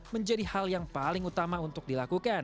menjadi hal yang paling utama untuk dilakukan